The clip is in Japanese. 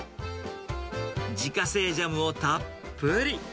自家製ジャムをたっぷり。